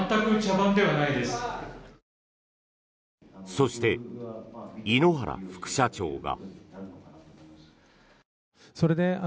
そして、井ノ原副社長が。